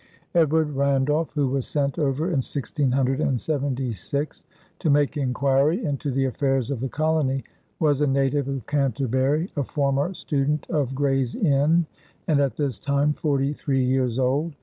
Edward Randolph, who was sent over in 1676 to make inquiry into the affairs of the colony, was a native of Canterbury, a former student of Gray's Inn, and at this time forty three years old.